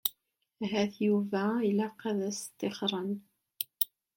Ahat Yuba ilaq ad t-sṭixxren.